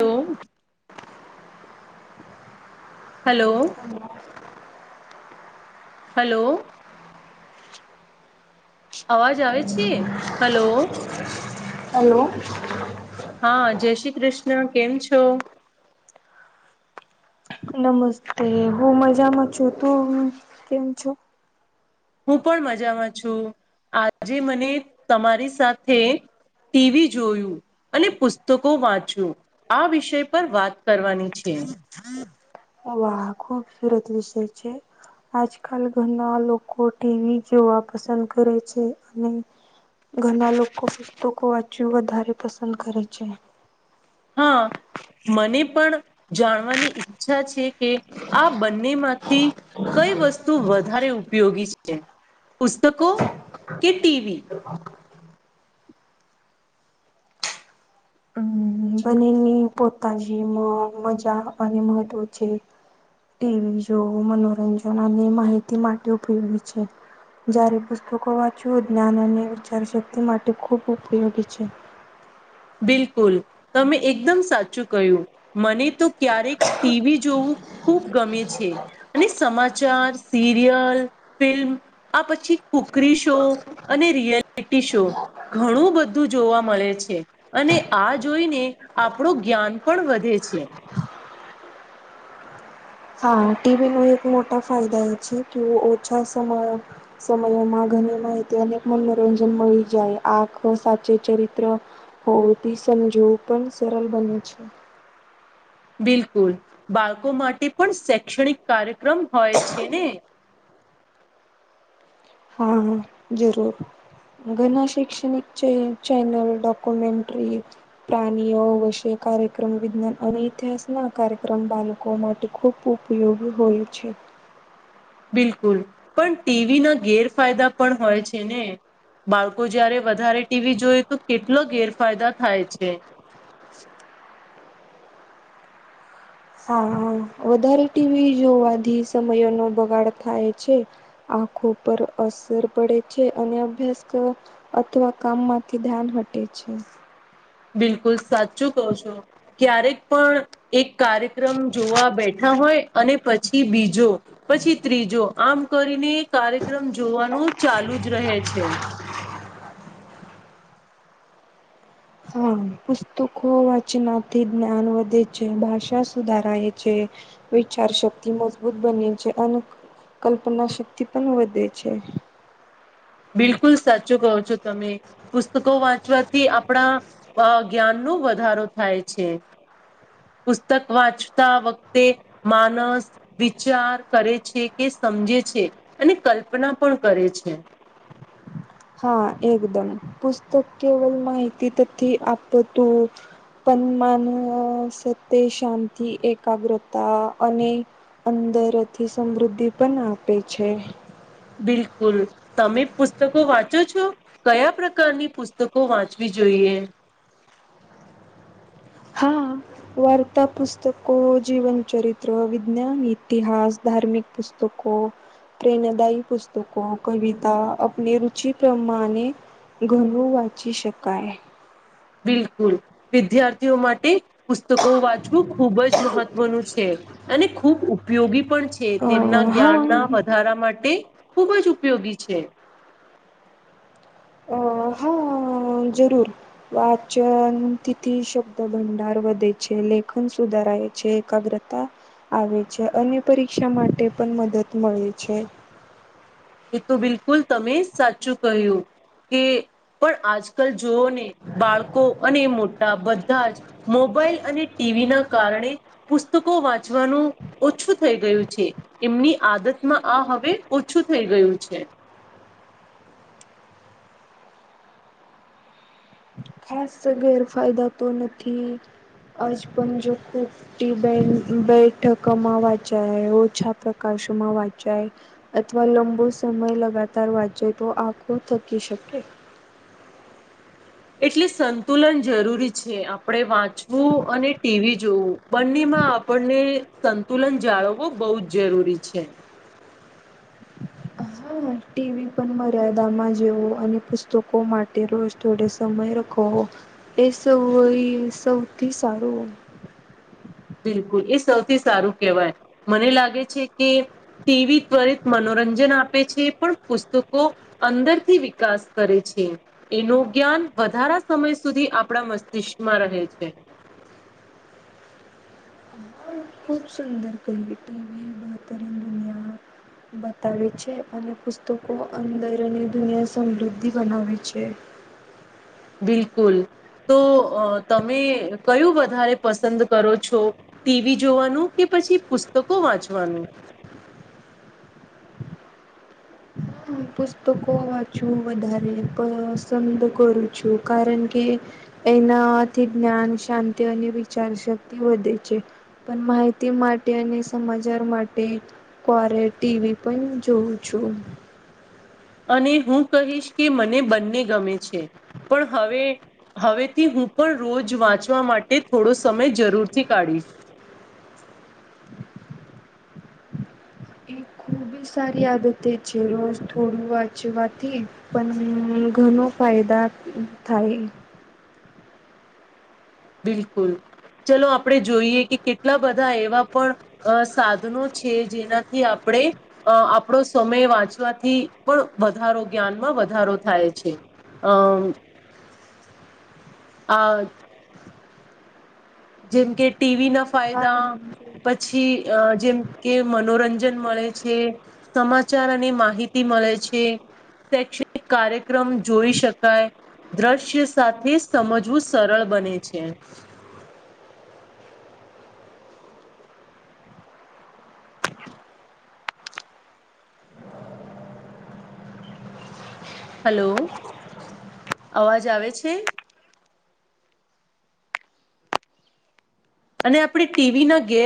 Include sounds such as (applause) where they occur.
તો hello. Hello. અવાજ આવે છે? Hello hello. હા, જય શ્રી કૃષ્ણ કેમ છો? નમસ્તે, હું મજામાં છું તું કેમ છો? હું પણ મજામાં છું, આજે મને તમારી સાથે ટીવી જોયું. અને પુસ્તકો વાંચ્યું, આ વિષય પર વાત કરવાની છે. હમ (inaudible) વાહ! ખૂબ સરસ વિષય છે. આજકાલ ઘરના લોકો ટીવી જોવા પસંદ કરે છે, અને ઘણા લોકો પુસ્તકો વાંચ્યું વધારે પસંદ કરે છે. હા. મને પણ જાણવાની ઈચ્છા છે, કે આ બંને માંથી કઈ વસ્તુ વધારે ઉપયોગી છે, પુસ્તકો કે ટીવી? હમ બંનેની પોતાજી મજા અને મહત્વ છે. ટીવી જો મનોરંજન અને માહિતી માટે ઉપયોગી છે. જ્યારે પુસ્તકો વાંચવું જ્ઞાન અને વિચારશક્તિ માટે ખૂબ ઉપયોગી છે. બિલકુલ, તમે એકદમ સાચું કહ્યું. મને તો ક્યારેક ટીવી જોવું ખૂબ ગમે છે. અને સમાચાર સિરિયલ ફિલ્મ આ પછી કુકરી શો અને રિયલિટી શો ઘણું બધું જોવા મળે છે. અને આ જોઈને આપણું જ્ઞાન પણ વધે છે. હા, ટીવીનો એક મોટા ફાયદા એ છે, કે ઓછા સમ સમયોમાં ઘણી માહિતી અને મનોરંજન મળી જાય, આખ સાચે ચરિત્ર હો, તે સમજવું પણ સરળ બને છે. બિલકુલ બાળકો માટે પણ, શૈક્ષણિક કાર્યક્રમ હોય છે ને? હા જરૂર, ઘણા શૈક્ષણિક ચ ચેનલ ડોક્યુમેન્ટ્રી પ્રાણીઓ વશે કાર્યક્રમ વિજ્ઞાન અને ઇતિહાસ ના કાર્યક્રમ બાળકો માટે ખૂબ ઉપયોગી હોય છે. બિલકુલ, પણ ટીવી ના ગેરફાયદા પણ હોય છે ને. બાળકો જયારે વધારે ટીવી જોઈ તો કેટલો ગેરફાયદા થાય છે. હા હા, વધારે ટીવી જોવાથી સમયો નો બગાડ થાય છે. આંખો પર અસર પડે છે, અને અભ્યાસ અથવા કામમાંથી ધ્યાન હટે છે. બિલકુલ સાચું કહો છો. ક્યારેક પણ એક કાર્યક્રમ જોવા બેઠા હોય અને પછી બીજો પછી ત્રીજો આમ કરીને કાર્યક્રમ જોવાનું ચાલુ જ રહે છે. હમ. પુસ્તકો વાંચનાથી જ્ઞાન વધે છે, ભાષા સુધારાય છે વિચાર શક્તિ મજબૂત બને છે, અને કલ્પના શક્તિ પણ વધે છે. બિલકુલ સાચું કહો છો તમે પુસ્તકો વાંચવાથી આપણા જ્ઞાનનું વધારો થાય છે. પુસ્તક વાંચતા વખતે માણસ વિચાર કરે છે કે સમજે છે અને કલ્પના પણ કરે છે. હા એકદમ પુસ્તક કેવલ માહિતી તથી આપ તું. માન સત્ય શાંતિ એકાગ્રતા અને, અંદરથી સમૃદ્ધિ પણ આપે છે. બિલકુલ તમે પુસ્તકો વાંચો છો? કયા પ્રકારની પુસ્તકો વાંચવી જોઈએ? હા. વાર્તા પુસ્તકો જીવન ચરિત્ર વિજ્ઞાન ઇતિહાસ ધાર્મિક પુસ્તકો પ્રેરણાદાયી પુસ્તકો કવિતા આપણી રુચિ પ્રમાણે ઘરું વાચી શકાય. બિલકુલ વિદ્યાર્થીઓ માટે પુસ્તકો વાંચ ખૂબ જ મહત્વનું છે અને ખૂબ ઉપયોગી પણ છે. છે અ તેમના હા જ્ઞાનના વધારા માટે ખુબ જ ઉપયોગી છે અ હા જરૂર વાચન તિથી શબ્દ ભંડાર વધે છે લેખન સુધારાય છે એકાગ્રતા આવે છે અને પરીક્ષા માટે પણ મદદ મળે છે. એ તો બિલકુલ તમે સાચું કહ્યું કે પણ આજકાલ જોઓને બાળકો અને મોટા બધા જ મોબાઈલ અને ટીવી ના કારણે પુસ્તકો વાંચવાનું ઓછું થઈ ગયું છે. એમની આદતમાં આ હવે ઓછું થઈ ગયું છે. ખાસ ગેરફાયદા તો નથી આજ પણ જો ખુબ ટિ ટાઈમ બેઠકમાં વંચાય ઓછા પ્રકાશમાં વંચાય અથવા લંબો સમય લગાતાર વાંચે તો આખું થકી શકે. એટલે સંતુલન જરૂરી છે આપણેે વાંચવું અને ટીવી જોવું. બંનેમાં આપણને સંતુલન જાળવવો બહુ જ જરૂરી છે. હા ટીવી પણ મર્યાદામાં જોવો અને પુસ્તકો માટે રોજ થોડે સમય રખો એ સૌ સૌથી સારું બિલકુલ એ સૌથી સારું કહેવાય મને લાગે છે કે ટીવી ત્વરિત મનોરંજન આપે છે પણ પુસ્તકો અંદરથી વિકાસ કરે છે. એનું જ્ઞાન વધારા સમય સુધી આપણા મસ્તિષ્કમાં રહે છે. હ (unintelligible) ખૂબ સુંદર ક્વલિટીવ (unintelligible) બહેતરીન દુનિયામાં બતાવે છે અને પુસ્તકો અંદર અને દુનિયા સમૃદ્ધિ બનાવે છે. બિલકુલ તો અ તમે કયું વધારે પસંદ કરો છો? ટીવી જોવાનું કે પછી પુસ્તકો વાંચવાનું? પુસ્તકો વાંચું વધારેને પ પસંદ કરું છું કારણ કે એનાથી જ્ઞાન શાંતિ અને વિચાર શક્તિ વધે છે. પણ માહિતી માટે અને સમાચાર માટે કરે ટીવી પણ જોઉં છું. અને હું કહીશ કે મને બંને ગમે છે પણ હવે હવેથી હું પણ રોજ વાંચવા માટે થોડો સમય જરૂરથી કાઢીશ. એક ખૂબ બી સારી આદતે છે રોજ થોડું વાંચવાથી પણ ઘણો ફાયદા થાય. બિલકુલ ચલો આપડણે જોઈએ કે કેટલા બધા એવા પણ અ સાધનો છે જેનાથી આપણે અ આપણો સમય વાંચવાથી પણ વધારો જ્ઞાનમાં વધારો થાય છે. અમ આ જેમ કે ટીવી ના ફાયદા પછી પછી અ જેમ કે મનોરંજન મળે છે. સમાચાર અને માહિતી મળે છે. શૈક્ષણિક કાર્યક્રમ જોઈ શકાય દ્રશ્ય સાથે સમજવું સરળ બને છે. હલો અવાજ આવે છે? અને આપણે ટીવી ના ગેમ